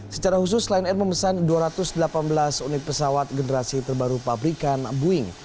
secara khusus lion air memesan dua ratus delapan belas unit pesawat generasi terbaru pabrikan boeing